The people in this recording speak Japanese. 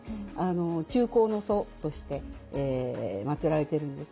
中興の祖として祭られているんですけども。